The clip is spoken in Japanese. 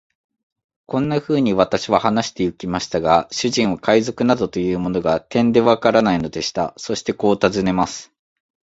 こんなふうに私は話してゆきましたが、主人は海賊などというものが、てんでわからないのでした。そしてこう尋ねます。